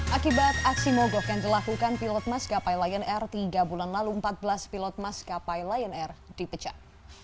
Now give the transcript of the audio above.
akibat aksi mogok yang dilakukan pilot maskapai lion air tiga bulan lalu empat belas pilot maskapai lion air dipecat